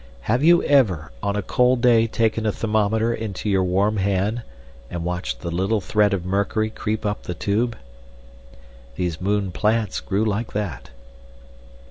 Have you ever on a cold day taken a thermometer into your warm hand and watched the little thread of mercury creep up the tube? These moon plants grew like that.